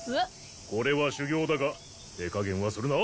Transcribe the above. これは修行だが手加減はするな！